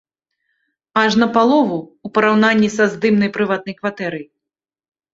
Аж напалову, у параўнанні са здымнай прыватнай кватэрай.